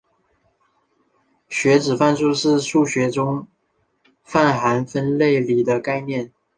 算子范数是数学中泛函分析里的概念。